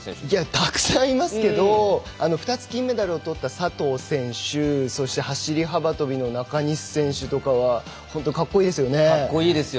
たくさんいますけどたくさん金メダルを取った佐藤選手走り幅跳びの中西選手とかはかっこいいですよね。